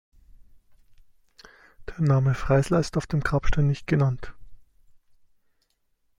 Der Name Freisler ist auf dem Grabstein nicht genannt.